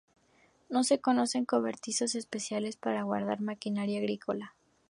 No se conocen cobertizos especiales para guardar maquinaria agrícola.